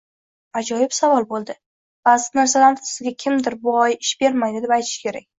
Ajoyib savol boʻldi. Baʼzi narsalarni sizga kimdir “…bu gʻoya ish bermaydi” deb aytishi kerak.